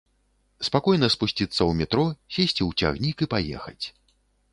Спакойна спусціцца ў метро, сесці ў цягнік і паехаць.